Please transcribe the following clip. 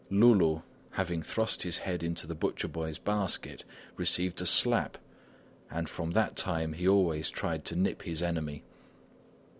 Loulou, having thrust his head into the butcher boy's basket, received a slap, and from that time he always tried to nip his enemy.